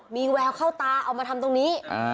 มีแววเข้าตาเอามาทำตรงนี้